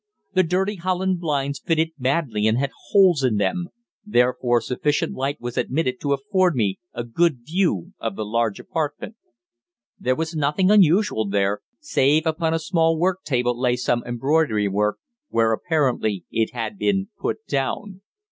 The dirty holland blinds fitted badly and had holes in them; therefore sufficient light was admitted to afford me a good view of the large apartment. There was nothing unusual there, save upon a small work table lay some embroidery work, where apparently it had been put down.